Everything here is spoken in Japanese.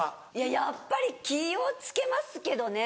やっぱり気を付けますけどね